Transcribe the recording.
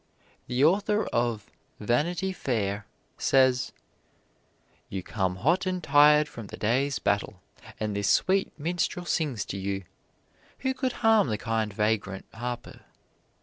The author of "Vanity Fair" says: "You come hot and tired from the day's battle, and this sweet minstrel sings to you. Who could harm the kind vagrant harper?